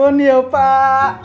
pak maturnun ya pak